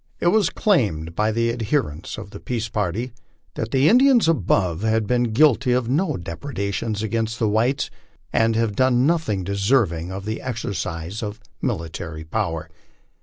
It was claimed by the adherents of the peace party that the Indians above named had been guilty of no depredations against the whites, and had done nothing deserving of the exercise of military power.